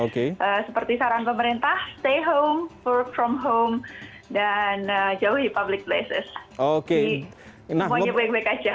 seperti saran pemerintah stay home work from home dan jauhi public places